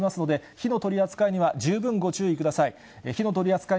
火の取り扱いには十分ご注意ください。